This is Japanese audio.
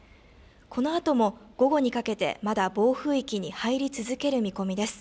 このあとも午後にかけて、まだ暴風域に入り続ける見込みです。